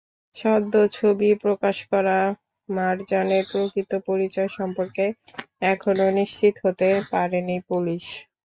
সদ্য ছবি প্রকাশ করা মারজানের প্রকৃত পরিচয় সম্পর্কে এখনো নিশ্চিত হতে পারেনি পুলিশ।